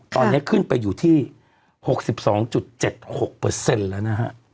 ตอนนี้ขึ้นไปอยู่ที่๖๒๗๖แล้วนะฮะ